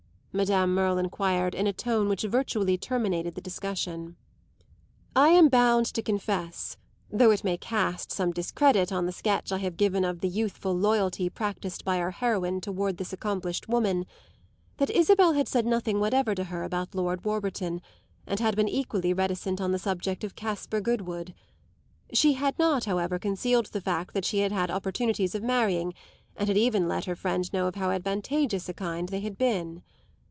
Madame Merle enquired in a tone which virtually terminated the discussion. I am bound to confess, though it may cast some discredit on the sketch I have given of the youthful loyalty practised by our heroine toward this accomplished woman, that Isabel had said nothing whatever to her about Lord Warburton and had been equally reticent on the subject of Caspar Goodwood. She had not, however, concealed the fact that she had had opportunities of marrying and had even let her friend know of how advantageous a kind they had been.